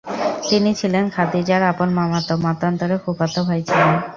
তিনি ছিলেন খাদিজার আপন মামাতো মতান্তরে ফুফাতো ভাই ছিলেন।